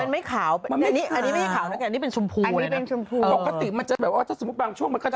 มันเปลี่ยนจริงหรออันนี้ไม่ฮาวจนอย่างเหนียงเบียนชุมพูเลยนะ